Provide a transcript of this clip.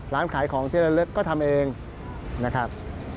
ร้านขายของที่ระลึกก็ทำเองนะครับ